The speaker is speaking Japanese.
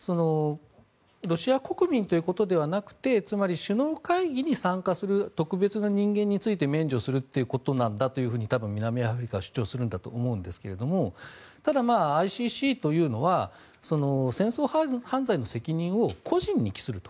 ロシア国民ということではなくてつまり首脳会議に参加する特別な人間について免除することなんだと多分、南アフリカは主張するんだと思うんですけれどもただ、ＩＣＣというのは戦争犯罪の責任を個人に帰すると。